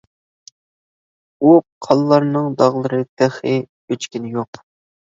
ئۇ قانلارنىڭ داغلىرى تېخى ئۆچكىنى يوق.